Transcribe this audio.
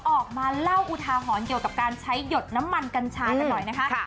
ออกมาเล่าอุท้าหอนเกี่ยวกับการใช้หยดน้ำมันกัญชา